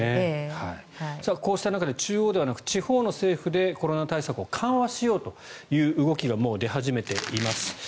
こうした中で中央政府ではなく地方の政府でコロナ対策を緩和しようという動きがもう出始めています。